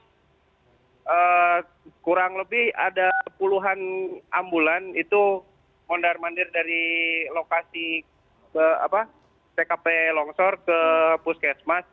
untuk evakuasi semalam itu kurang lebih ada puluhan ambulan itu mondar mandir dari lokasi ckp longsor ke puskesmas